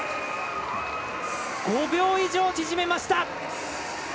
５秒以上縮めました！